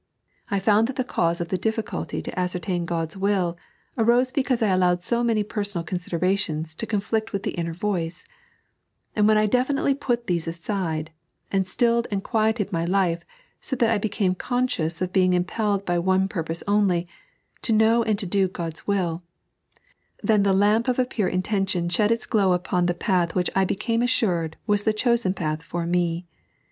I found that Uie cause of the difficulty to ascertain God's will arose because I allowed so many personal considerations to conflict with the inner voice ; and when I definitely put these aside, and stilled and quieted my life so that I became conscious of being impelled by one purpose only — to know and to do God's will — then the lamp of a pure intention shed its glow upon the path which I became assured was the chosen path for me.